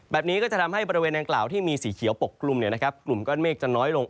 แบบนี้ก็จะทำให้บริเวณดังกล่าวที่มีสีเขียวปกกลุ่มกลุ่มก้อนเมฆจะน้อยลง